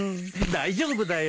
大丈夫だよ。